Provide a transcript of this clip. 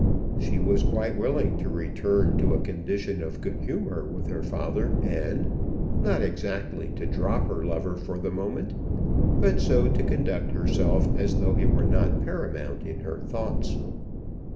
She was quite willing to return to a condition of good humour with her father, and, not exactly to drop her lover for the moment, but so to conduct herself as though he were not paramount in her thoughts.